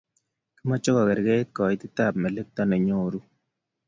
Komochei kekerkeitkei koitetab melekto ne nyoru